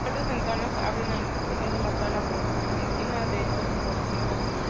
Altas ventanas abren al exterior la sala por encima de estos pórticos.